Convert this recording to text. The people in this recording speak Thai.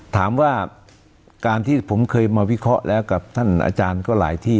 ถามว่าการที่ผมเคยมาวิเคราะห์แล้วกับท่านอาจารย์ก็หลายที่